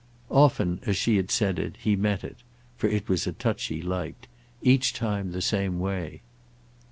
Often as she had said it he met it—for it was a touch he liked—each time the same way.